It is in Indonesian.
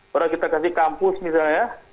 padahal kita kasih kampus misalnya